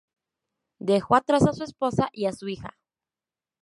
Dejó atrás a su esposa y a su hija.